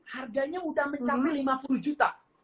harganya sudah mencapai lima puluh juta